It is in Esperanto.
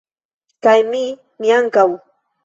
kaj mi, mi ankaŭ!